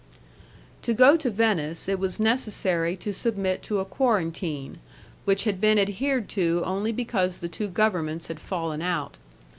To go to Venice, it was necessary to submit to a quarantine, which had been adhered to only because the two governments had fallen out.